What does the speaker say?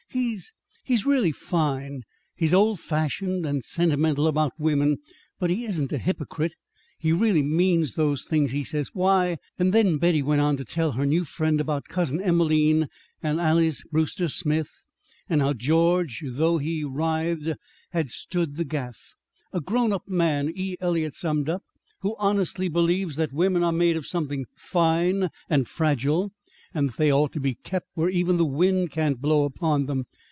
"He's he's really fine. He's old fashioned and sentimental about women, but he isn't a hypocrite. He really means those things he says. Why..." And then Betty went on to tell her new friend about Cousin Emelene and Alys Brewster Smith, and how George, though he writhed, had stood the gaff. "A grown up man," E. Eliot summed up, "who honestly believes that women are made of something fine and fragile, and that they ought to be kept where even the wind can't blow upon them!